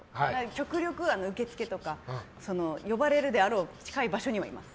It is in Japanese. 極力受付とか呼ばれるであろう近い場所にいます。